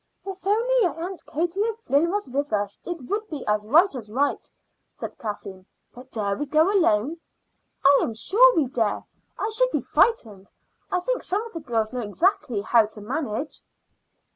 "If only Aunt Katie O'Flynn was with us it would be as right as right," said Kathleen; "but dare we go alone?" "I am sure we dare. I shouldn't be frightened. I think some of the girls know exactly how to manage."